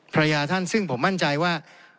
ภรรยาท่านซึ่งผมมั่นใจว่า